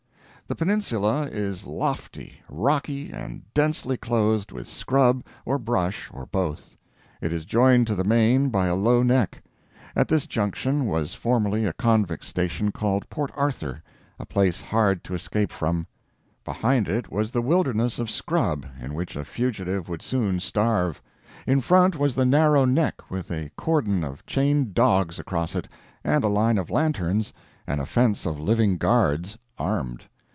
The Peninsula is lofty, rocky, and densely clothed with scrub, or brush, or both. It is joined to the main by a low neck. At this junction was formerly a convict station called Port Arthur a place hard to escape from. Behind it was the wilderness of scrub, in which a fugitive would soon starve; in front was the narrow neck, with a cordon of chained dogs across it, and a line of lanterns, and a fence of living guards, armed.